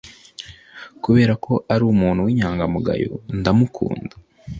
Kubera ko ari umuntu w'inyangamugayo, ndamukunda.